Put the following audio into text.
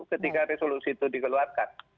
ketika resolusi itu dikeluarkan